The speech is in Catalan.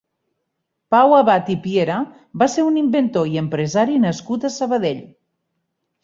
Pau Abad i Piera va ser un inventor i empresari nascut a Sabadell.